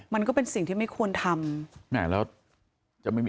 มันก็เป็นสิ่งที่ไม่ควรทำ